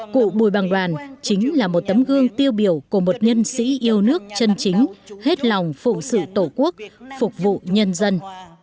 cụ bùi bằng đoàn chính là một tấm gương tiêu biểu của một nhân sĩ yêu nước chân chính hết lòng phụ sự tổ quốc phục vụ nhân dân